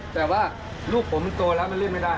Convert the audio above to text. แต่ว่าลูกผมมันโตแล้วมันเล่นไม่ได้